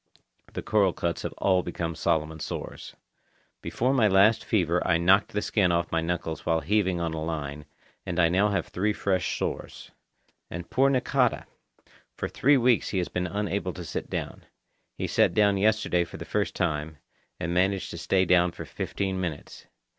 The coral cuts have all become Solomon sores. Before my last fever I knocked the skin off my knuckles while heaving on a line, and I now have three fresh sores. And poor Nakata! For three weeks he has been unable to sit down. He sat down yesterday for the first time, and managed to stay down for fifteen minutes.